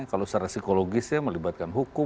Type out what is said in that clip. kalau secara psikologisnya melibatkan hukum